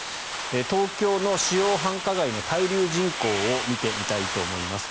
東京の主要繁華街の滞留人口を見てみたいと思います。